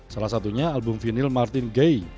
salah satunya album vinil martin gay